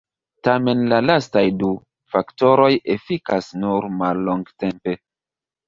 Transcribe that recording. Tamen la lastaj du faktoroj efikas nur mallongtempe.